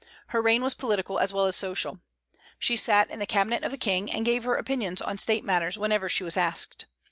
Her reign was political as well as social. She sat in the cabinet of the King, and gave her opinions on State matters whenever she was asked.